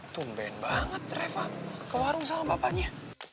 tumben banget refat ke warung sama bapaknya